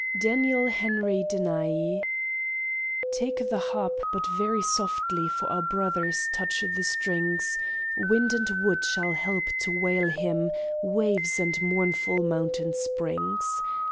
Daniel Henry Deniehy Take the harp, but very softly for our brother touch the strings: Wind and wood shall help to wail him, waves and mournful mountain springs.